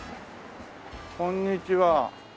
こんにちは。